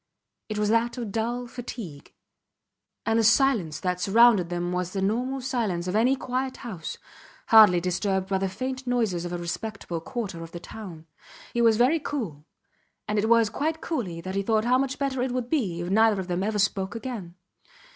It was that of dull fatigue. And the silence that surrounded them was the normal silence of any quiet house, hardly disturbed by the faint noises of a respectable quarter of the town. He was very cool and it was quite coolly that he thought how much better it would be if neither of them ever spoke again.